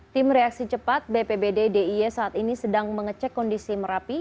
tim reaksi cepat bpbd diy saat ini sedang mengecek kondisi merapi